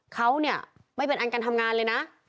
เขาเนี่ยไม่เป็นอันการทำงานเลยนะ